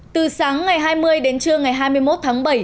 từ sáng ngày hai mươi đến trưa ngày hai mươi một tháng bảy